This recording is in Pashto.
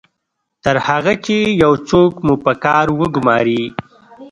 تر هغه چې یو څوک مو په کار وګماري